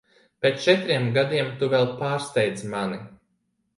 Pēc četriem gadiem tu vēl pārsteidz mani.